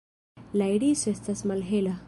La iriso estas malhela.